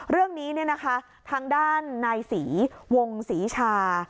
เรื่องนี้ทางด้านนายศรีวงศรีชา